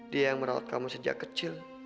dia yang merawat kamu sejak kecil